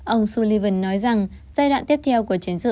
ông sullivan nói rằng giai đoạn tiếp theo của chiến sự